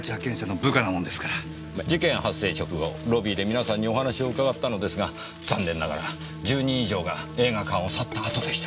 事件発生直後ロビーで皆さんにお話を伺ったのですが残念ながら１０人以上が映画館を去った後でした。